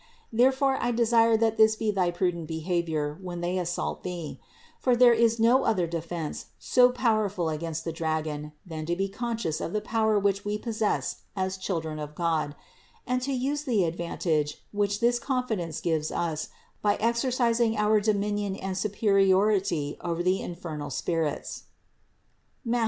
Therefore I desire this to be thy prudent behavior when they assault thee; for there is no other defense so powerful against the dragon than to be conscious of the THE INCARNATION 299 power which we possess as children of God, and to use the advantage which this confidence gives us by exercis ing our dominion and superiority over the infernal spirits (Matth.